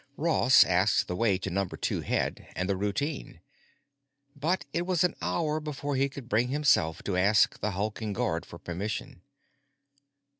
Ross asked the way to Number Two head and the routine. But it was an hour before he could bring himself to ask the hulking guard for permission.